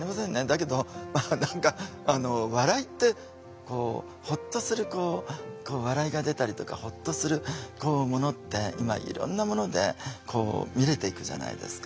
だけど何か笑いってホッとするこう笑いが出たりとかホッとするものって今いろんなもので見れていくじゃないですか。